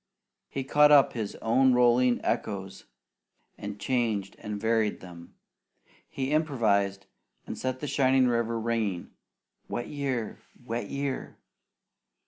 He caught up his own rolling echoes and changed and varied them. He improvised, and set the shining river ringing, "Wet year! Wet year!"